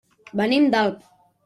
Venim d'Alp.